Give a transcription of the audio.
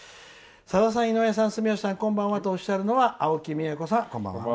「さださん、住吉さん、井上さんこんばんは」とおっしゃるのはあおきみえこさん。